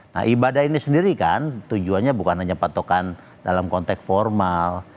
nah ibadah ini sendiri kan tujuannya bukan hanya patokan dalam konteks formal